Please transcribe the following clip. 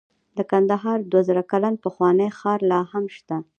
د کندهار دوه زره کلن پخوانی ښار لاهم شته